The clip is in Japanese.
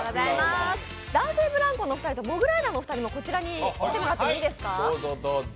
男性ブランコのお二人とモグライダーのお二人もこちらに来てもらっていいですか。